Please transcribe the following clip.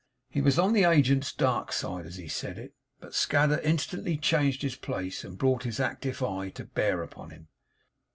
He was on the agent's dark side as he said it; but Scadder instantly changed his place, and brought his active eye to bear upon him.